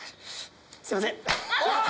すいません。